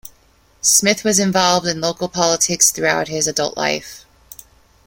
Smith was involved in local politics throughout his adult life.